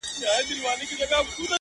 ونه لوړیږي.